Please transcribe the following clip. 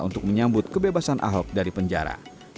untuk menyambut kebebasan ahok dari penjara